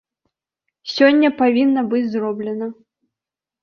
Сёння павінна быць зроблена.